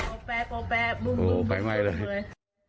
โอ้แป้บบุ้มสมบัติเลยโอ้ไปไหมเลย